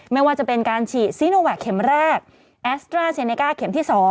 ไม่ว่าจะเป็นการฉีดซีโนแวคเข็มแรกแอสตราเซเนก้าเข็มที่๒